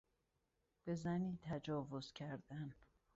به زنی تجاوز کردن